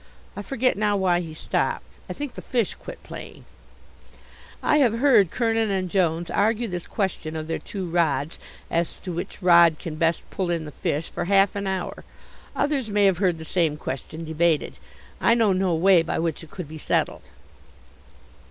I forget now why he stopped; I think the fish quit playing. I have heard Kernin and Jones argue this question of their two rods, as to which rod can best pull in the fish, for half an hour. Others may have heard the same question debated. I know no way by which it could be settled.